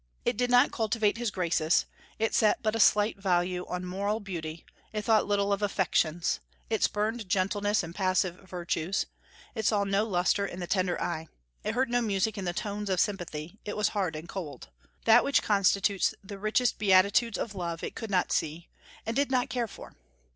It did not cultivate his graces; it set but a slight value on moral beauty; it thought little of affections; it spurned gentleness and passive virtues; it saw no lustre in the tender eye; it heard no music in the tones of sympathy; it was hard and cold. That which constitutes the richest beatitudes of love it could not see, and did not care for.